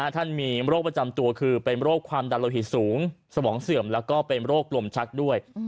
ท่านมีโรคประจำตัวคือเป็นโรคความดันโลหิตสูงสมองเสื่อมแล้วก็เป็นโรคลมชักด้วย